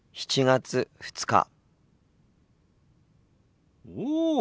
７月２日。